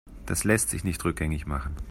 Das lässt sich nicht rückgängig machen.